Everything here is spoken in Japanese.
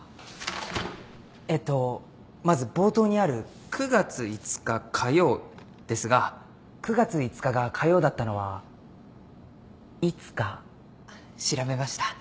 えっとまず冒頭にある「９月５日火曜」ですが９月５日が火曜だったのはいつか調べました。